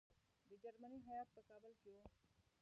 د جرمني هیات په کابل کې وو.